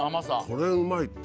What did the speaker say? これうまいって。